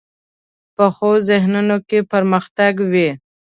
پخو ذهنونو کې پرمختګ وي